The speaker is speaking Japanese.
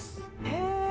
へえ！